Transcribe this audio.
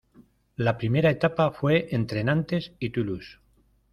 La primera etapa fue entre Nantes y Toulouse.